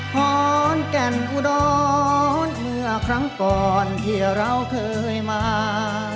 ขอนแก่นอุดรเมื่อครั้งก่อนที่เราเคยมา